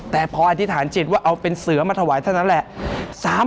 แต่พออธิษฐานจิตว่าเอาเป็นเสือมาถวายเท่านั้นแหละ